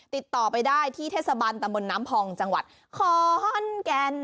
ติดต่อไปได้ที่เทศบาลตำบลน้ำพองจังหวัดคอฮอนแกน